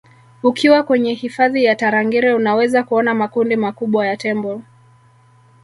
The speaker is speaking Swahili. ukiwa kwenye hifadhi ya tarangire unaweza kuona makundi makubwa ya tembo